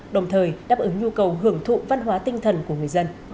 đồng thời đáp ứng nhu cầu hưởng thụ văn hóa tinh thần của người dân